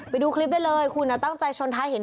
ไปดูคลิปได้เลยคุณตั้งใจชนท้ายเห็น